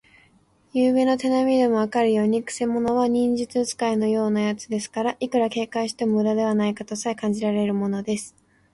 ゆうべの手なみでもわかるように、くせ者は忍術使いのようなやつですから、いくら警戒してもむだではないかとさえ感じられるのです。